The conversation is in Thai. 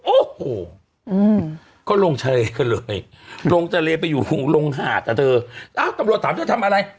โอ้โหก็ลงทะเลกันเลยลงทะเลไปอยู่ลงหาดอ่ะเธออ้าวตำรวจถามเธอทำอะไร